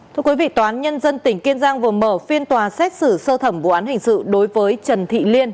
thưa quý vị tòa án nhân dân tỉnh kiên giang vừa mở phiên tòa xét xử sơ thẩm vụ án hình sự đối với trần thị liên